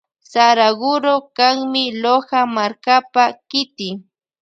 Saraguro kanmi Loja markapa kiti.